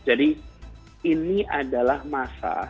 jadi ini adalah masa